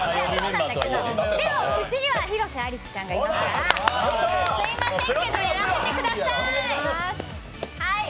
うちには広瀬アリスちゃんがいますからすいませんけど、やらせてください。